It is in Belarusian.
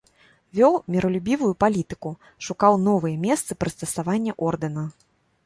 Вёў міралюбівую палітыку, шукаў новыя месцы прыстасавання ордэна.